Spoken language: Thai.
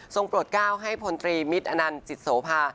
โปรดก้าวให้พลตรีมิตรอนันต์จิตโสภา